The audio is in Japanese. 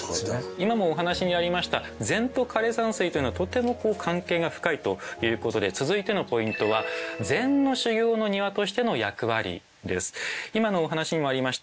今もお話にありました禅と枯山水というのはとても関係が深いということで続いてのポイントは今のお話にもありました